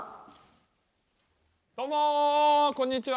どうもこんにちは。